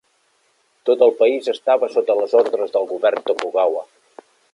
Tot el país estava sota les ordres del govern Tokugawa.